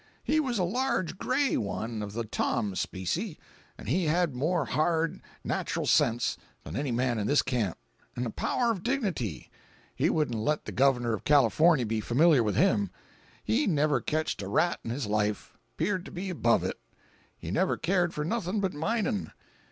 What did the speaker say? He was a large gray one of the Tom specie, an' he had more hard, natchral sense than any man in this camp—'n' a power of dignity—he wouldn't let the Gov'ner of Californy be familiar with him. He never ketched a rat in his life—'peared to be above it. He never cared for nothing but mining.